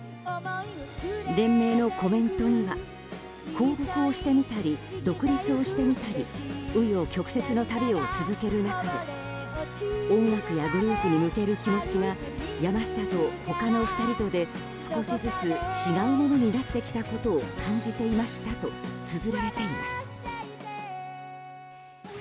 連名のコメントには放牧をしてみたり独立をしてみたり紆余曲折の旅を続ける中で音楽やグループに向ける気持ちが山下と他の２人とで少しずつ違うものになってきたことを感じていましたとつづられていました。